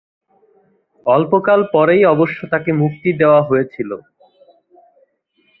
অল্পকাল পরেই অবশ্য তাঁকে মুক্তি দেওয়া হয়েছিল।